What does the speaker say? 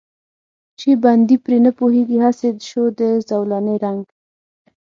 چې بندي پرې نه پوهېږي، هسې شو د زولانې رنګ.